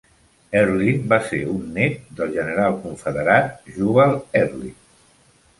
Early va ser un net del general confederat Jubal Early.